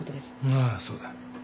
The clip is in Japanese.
ああそうだ。